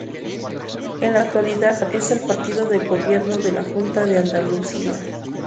En la actualidad es el partido del gobierno de la Junta de Andalucía.